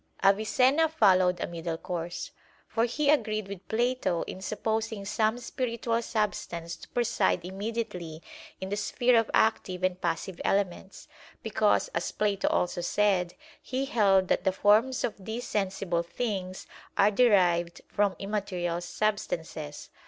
Avicenna followed a middle course. For he agreed with Plato in supposing some spiritual substance to preside immediately in the sphere of active and passive elements; because, as Plato also said, he held that the forms of these sensible things are derived from immaterial substances.